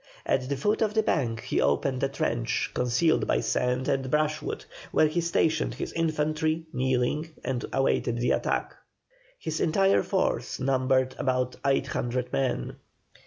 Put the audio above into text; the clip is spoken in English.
At the foot of the bank he opened a trench, concealed by sand and brushwood, where he stationed his infantry, kneeling, and awaited the attack. His entire force numbered about eight hundred men.